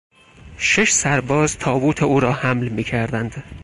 شش سرباز تابوت او را حمل میکردند.